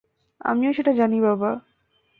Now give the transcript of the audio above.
আমিও সেটা জানি, বাবা।